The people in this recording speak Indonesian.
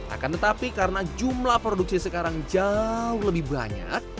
akan tetapi karena jumlah produksi sekarang jauh lebih banyak